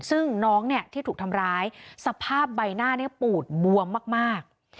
ซึ่งน้องเนี่ยที่ถูกทำร้ายสภาพใบหน้าปูดบวมมาก